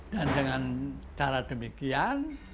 dan dengan cara demikian